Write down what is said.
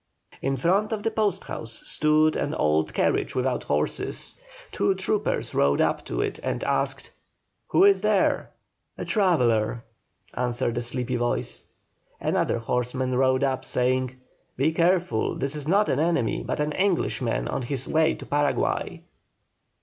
In front of the post house stood an old carriage without horses. Two troopers rode up to it, and asked: "Who is here?" "A traveller," answered a sleepy voice. Another horseman rode up saying "Be careful; this is not an enemy, but an Englishman on his way to Paraguay."